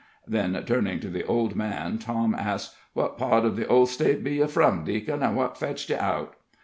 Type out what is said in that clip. Then, turning to the old man, Tom asked: "What part uv the old State be ye from, deacon, an' what fetched ye out?"